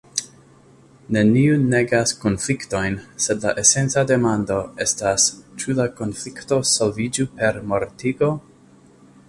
Neniu negas konfliktojn, sed la esenca demando estas, ĉu la konflikto solviĝu per mortigo?